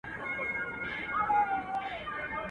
شمع به اوس څه وايی خوله نه لري.